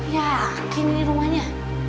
ya ini rumahnya